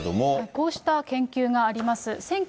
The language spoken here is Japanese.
こうした研究があります。